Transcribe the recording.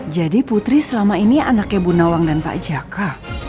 jadi putri selama ini anaknya bu nawang dan pak jaka